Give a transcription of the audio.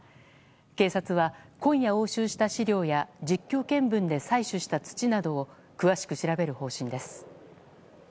警察は今夜押収した資料や実況見分で採取した土などを詳しく調べる方針です。